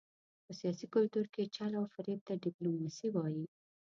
په سیاسي کلتور کې چل او فرېب ته ډیپلوماسي وايي.